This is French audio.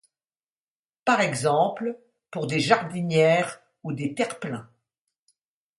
Par exemple, pour des jardinières ou des terre-pleins.